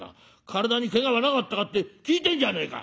体にけがはなかったかって聞いてんじゃねえか」。